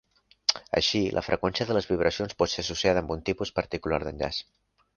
Així, la freqüència de les vibracions pot ser associada amb un tipus particular d'enllaç.